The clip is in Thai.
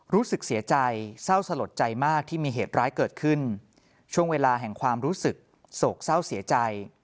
รู้สึกเสียใจเศร้าสลดใจมากที่มีเหตุร้ายเกิดขึ้นช่วงเวลาแห่งความรู้สึกโศกเศร้าเสียใจ